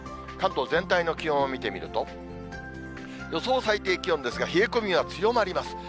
関東全体の気温を見てみると、予想最低気温ですが、冷え込みは強まります。